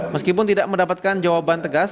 meskipun tidak mendapatkan jawaban tegas